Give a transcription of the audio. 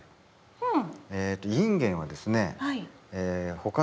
うん。